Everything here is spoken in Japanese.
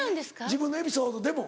自分のエピソードでも。